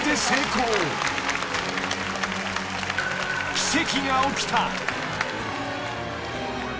［奇跡が起きた］